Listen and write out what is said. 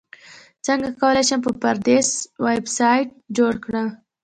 څنګه کولی شم په وردپریس ویبسایټ جوړ کړم